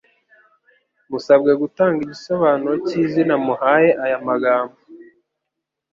Musabwe gutanga igisobanuro k izina muhaye aya magambo